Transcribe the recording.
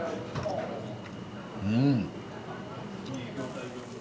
うん。